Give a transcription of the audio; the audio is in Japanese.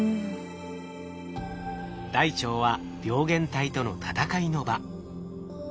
大腸は病原体との闘いの場。